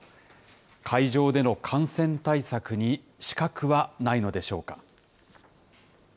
会場での感染対策に死角はないのでしょうか。